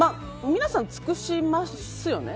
皆さん、尽くしますよね？